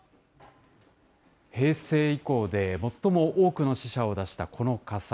平成以降で最も多くの死者を出したこの火災。